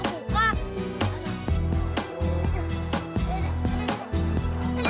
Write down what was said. tidak tidak tidak